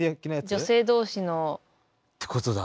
女性同士の。ってことだ。